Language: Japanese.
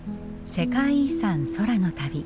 世界遺産空の旅。